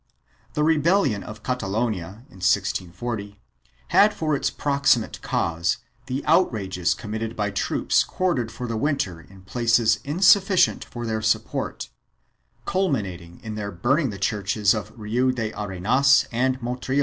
The rebellion of Catalonia, in 1640, had for its proximate cause the outrages committed by troops quartered for the winter in places insufficient for their support, culminating in their burning the churches of Riu de Arenas and Montiro.